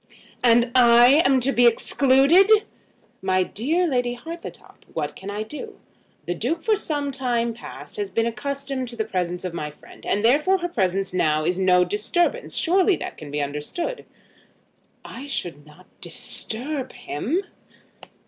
"And I am to be excluded!" "My dear Lady Hartletop, what can I do? The Duke for some time past has been accustomed to the presence of my friend, and therefore her presence now is no disturbance. Surely that can be understood." "I should not disturb him."